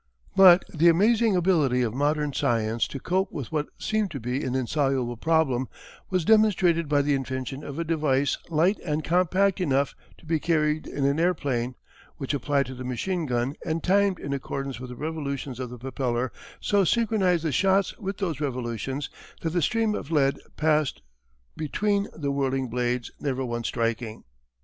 But the amazing ability of modern science to cope with what seemed to be an insoluble problem was demonstrated by the invention of a device light and compact enough to be carried in an airplane, which applied to the machine gun and timed in accordance with the revolutions of the propeller so synchronized the shots with those revolutions that the stream of lead passed between the whirling blades never once striking.